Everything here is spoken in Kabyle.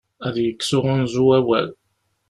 Ad yekkes uɣunzu awal.